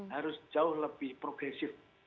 harus jauh lebih progresif